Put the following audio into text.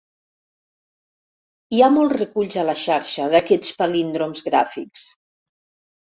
Hi ha molts reculls a la xarxa d'aquests palíndroms gràfics.